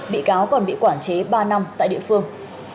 bị cáo còn bị quản chế ba năm tại địa phương